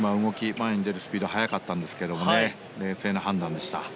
前に出るスピード速かったんですが冷静な判断でした。